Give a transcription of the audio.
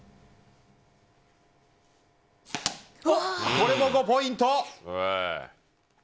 これも５ポイント！